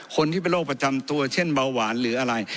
คนที่เป็นโรคประจำตัวเช่นเบาหวานหรืออะไร